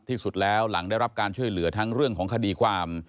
ที่สุดแล้วหลังได้รับการช่วยเหลือทั้งเรื่องของคดีความ